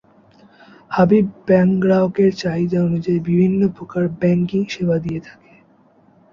Habib bank গ্রাহকের চাহিদা অনুযায়ী বিভিন্ন প্রকার ব্যাংকিং সেবা দিয়ে থাকে।